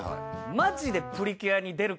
マジで？